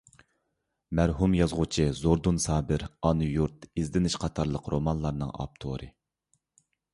مەرھۇم يازغۇچى زوردۇن سابىر — «ئانا يۇرت» ، «ئىزدىنىش» قاتارلىق رومانلارنىڭ ئاپتورى.